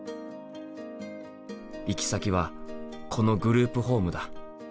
行き先はこのグループホームだ。